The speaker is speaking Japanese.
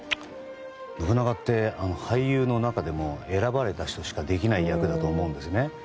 信長って俳優の中でも選ばれた人しかできない役だと思うんですね。